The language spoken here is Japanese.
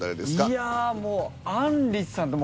いやもうあんりさんと。